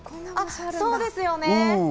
そうですよね。